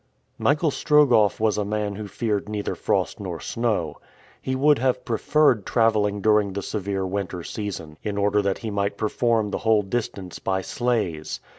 Michael Strogoff was a man who feared neither frost nor snow. He would have preferred traveling during the severe winter season, in order that he might perform the whole distance by sleighs.